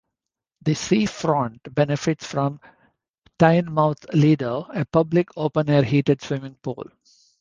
The seafront benefits from Teignmouth Lido, a public open-air heated swimming pool.